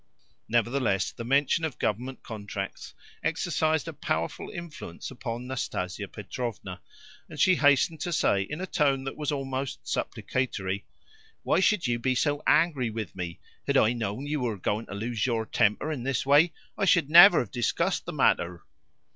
Nevertheless the mention of Government contracts exercised a powerful influence upon Nastasia Petrovna, and she hastened to say in a tone that was almost supplicatory: "Why should you be so angry with me? Had I known that you were going to lose your temper in this way, I should never have discussed the matter."